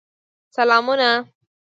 سلامونه !